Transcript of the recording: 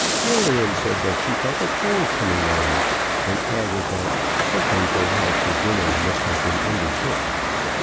Lillian said that she felt a cold coming on, and added that something they had had for dinner must have been undercooked.